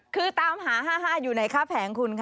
คือตามหา๕๕อยู่ไหนค่าแผงคุณคะ